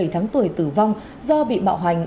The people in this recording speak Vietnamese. một mươi bảy tháng tuổi tử vong do bị bạo hành